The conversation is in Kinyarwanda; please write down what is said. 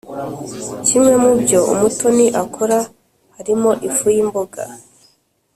Kimwe mubyo Umutoni akora harimo ifu y’imboga.